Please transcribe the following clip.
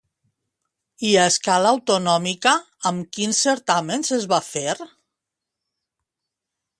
I a escala autonòmica, amb quins certàmens es va fer?